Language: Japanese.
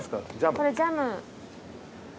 これジャム。